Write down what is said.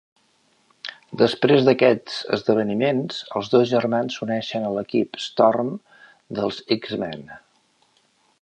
Després d'aquests esdeveniments, els dos germans s'uneixen a l'equip "Storm" dels "X-Men".